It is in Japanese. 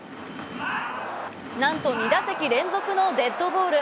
なんと２打席連続のデッドボール。